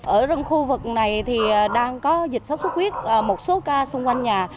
ở trong khu vực này thì đang có dịch sốt xuất huyết một số ca xung quanh nhà